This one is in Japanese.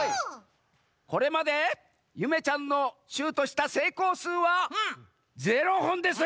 これまでゆめちゃんのシュートしたせいこうすうはゼロほんです。